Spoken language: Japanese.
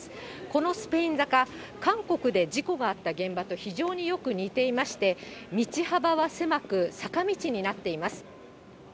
このスペイン坂、韓国で事故があった現場と非常によく似ていまして、道幅は狭く、坂道になっています。